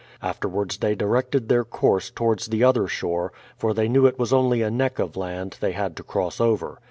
Afterwards they directed their course towards the other shore, for they knew it w^as only a neck of land they had to cross over.